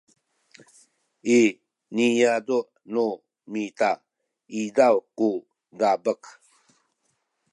i niyazu’ nu mita izaw ku dabek